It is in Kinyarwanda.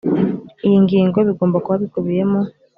iyi ngingo bigomba kuba bikubiyemo